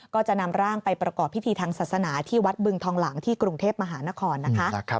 ก็จะนำร่างไปประกอบพิธีทางศาสนาที่วัดบึงทองหลังที่กรุงเทพมหานครนะคะ